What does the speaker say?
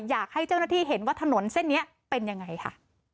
อยากให้เจ้าหน้าที่เห็นว่าถนนเส้นนี้เป็นยังไงค่ะ